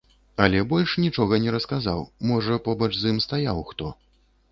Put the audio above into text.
Але больш нічога не расказаў, можа, побач з ім стаяў хто.